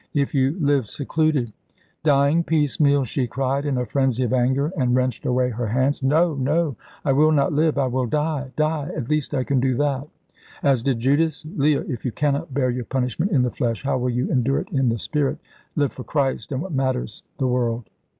If you live secluded " "Dying piecemeal," she cried, in a frenzy of anger, and wrenched away her hands. "No, no; I will not live. I will die die. At least I can do that." "As did Judas! Leah, if you cannot bear your punishment in the flesh, how will you endure it in the spirit? Live for Christ, and what matters the world?"